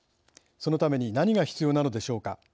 そのために何が必要なのでしょうか。